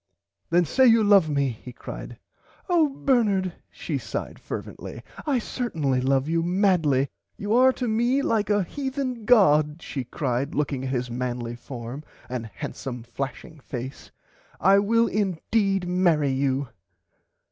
Then say you love me he cried. Oh Bernard she sighed fervently I certinly love you madly you are to me like a Heathen god she cried looking at his manly form and handsome flashing face I will indeed marry you.